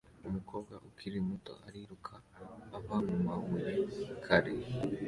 Umukobwa ukiri muto ariruka ava mumabuye kare